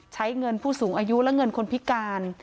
ใช้เงินผู้สูงอายุและเงินคนพิการ